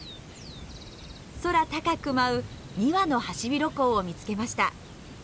空高く舞う２羽のハシビロコウを見つけました。